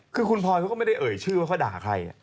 คือคุณพลอยเขาก็ไม่ได้เอ่ยชื่อว่าเขาด่าใคร